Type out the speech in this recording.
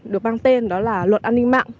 được mang tên đó là luật an ninh mạng